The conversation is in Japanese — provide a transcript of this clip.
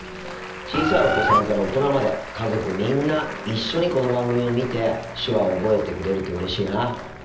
小さいお子さんから大人まで家族みんな一緒にこの番組を見て手話を覚えてくれるとうれしいな。